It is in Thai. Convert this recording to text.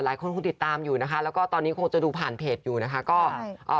หลายคนคงติดตามอยู่นะคะแล้วก็ตอนนี้คงจะดูผ่านเพจอยู่นะคะก็ใช่เอ่อ